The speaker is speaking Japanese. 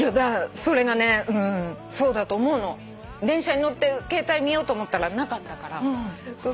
電車に乗って携帯見ようと思ったらなかったから。